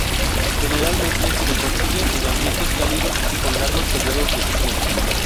Generalmente se le consigue en ambientes cálidos y con largos períodos de sequía.